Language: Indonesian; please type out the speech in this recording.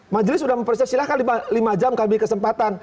majelis sudah mempersiap silahkan lima jam kami kesempatan